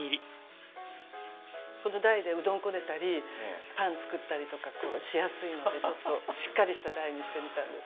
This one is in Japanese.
この台でうどんこねたりパン作ったりとかしやすいのでちょっとしっかりした台にしてみたんです。